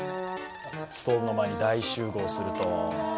ストーブの前に大集合すると。